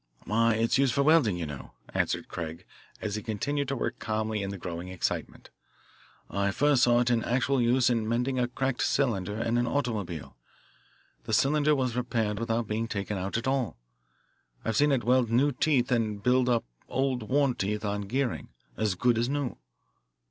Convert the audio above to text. "Why, it's used for welding, you know," answered Craig as he continued to work calmly in the growing excitement: "I first saw it in actual use in mending a cracked cylinder in an automobile. The cylinder was repaired without being taken out at all. I've seen it weld new teeth and build up old worn teeth on gearing, as good as new."